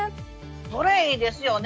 それいいですよね。